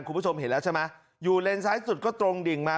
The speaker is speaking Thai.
คุณผู้ชมเห็นแล้วใช่ไหมอยู่เลนซ้ายสุดก็ตรงดิ่งมา